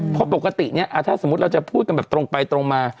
เพราะปกติเนี่ยถ้าสมมุติเราจะพูดกันแบบตรงไปตรงมา